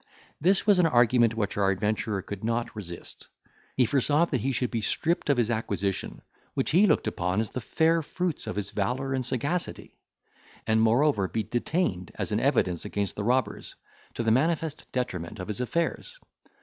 This was an argument which our adventurer could not resist; he foresaw that he should be stripped of his acquisition, which he looked upon as the fair fruits of his valour and sagacity; and, moreover, be detained as an evidence against the robbers, to the manifest detriment of his affairs.